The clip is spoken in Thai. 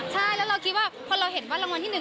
ใช่แล้วเราคิดว่าพอเราเห็นว่ารางวัลที่๑